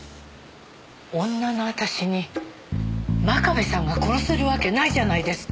女の私に真壁さんが殺せるわけないじゃないですか。